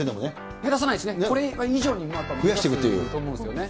減らさないですね、これ以上に増えていくと思うんですよね。